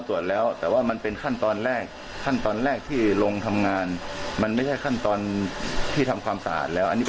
ขอหมัก๒คืนเข่นเราก็มาทำความสะอาด